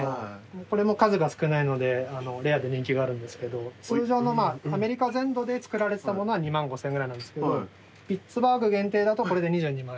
これも数が少ないのでレアで人気があるんですけど通常のアメリカ全土で作られてたものは２万５，０００円ぐらいなんですけどピッツバーグ限定だとこれで２２万円っていう。